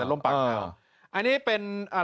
อันนี้เป็น